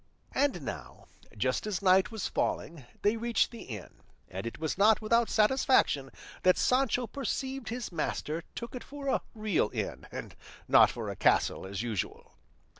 And now, just as night was falling, they reached the inn, and it was not without satisfaction that Sancho perceived his master took it for a real inn, and not for a castle as usual.